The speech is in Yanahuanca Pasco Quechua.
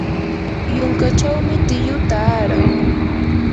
yunkachawmi tiyu taaran.